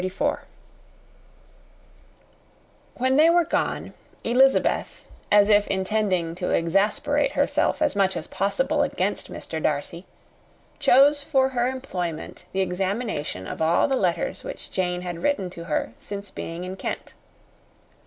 When they were gone, Elizabeth, as if intending to exasperate herself as much as possible against Mr. Darcy, chose for her employment the examination of all the letters which Jane had written to her since her being in Kent.